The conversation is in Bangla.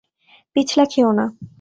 পিছলা খেও না।